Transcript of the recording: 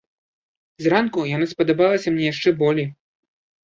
Зранку яна спадабалася мне яшчэ болей.